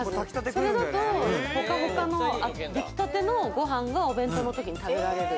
それだとホカホカの出来立てのご飯をお弁当のときに食べられる。